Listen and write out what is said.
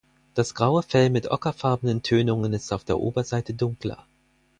Das graue Fell mit ockerfarbenen Tönungen ist auf der Oberseite dunkler.